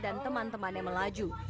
dan teman temannya melaju